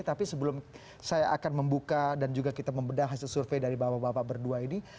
tapi sebelum saya akan membuka dan juga kita membedah hasil survei dari bapak bapak berdua ini